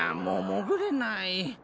もうもぐれない。